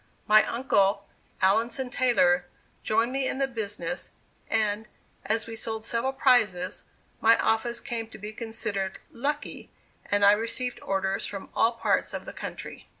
My uncle, Alanson Taylor, joined me in the business, and, as we sold several prizes, my office came to be considered "lucky," and I received orders from all parts of the country.